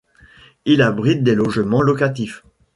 Il abrite des logements locatifs.